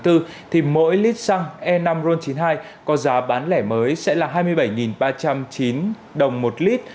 thì mỗi lít xăng e năm ron chín mươi hai có giá bán lẻ mới sẽ là hai mươi bảy ba trăm chín đồng một lít